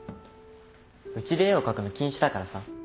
うちで絵を描くの禁止だからさ。